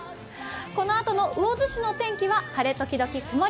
このあとの魚津市の天気は晴れ時々曇り。